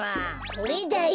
これだよ！